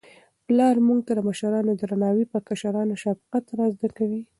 پلار موږ ته د مشرانو درناوی او په کشرانو شفقت را زده کوي.